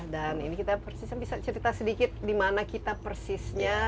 dan bisa kita cerita sedikit dimana kita persisnya